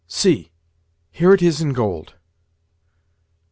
See, here it is in gold."